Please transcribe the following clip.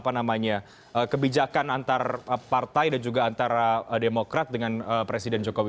antara kebijakan antara partai dan juga antara demokrat dengan presiden jokowi